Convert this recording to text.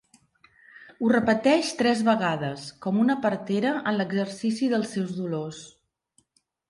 Ho repeteix tres vegades, com una partera en l'exercici dels seus dolors.